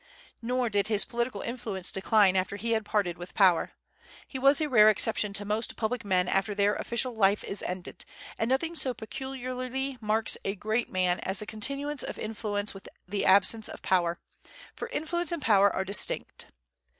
Nor did his political influence decline after he had parted with power. He was a rare exception to most public men after their official life is ended; and nothing so peculiarly marks a great man as the continuance of influence with the absence of power; for influence and power are distinct.